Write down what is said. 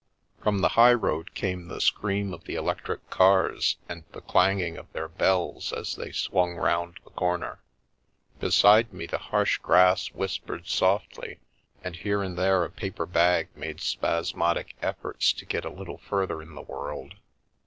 From the high road came the scream of the electru cars and the clanging of their bells as they swung rounc the corner. Beside me the harsh grass whispered softly and here and there a paper bag made spasmodic effort! to get a little further in the world.